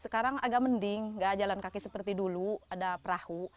sekarang agak mending nggak jalan kaki seperti dulu ada perahu